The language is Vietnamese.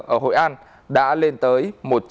ở hội an đã lên tới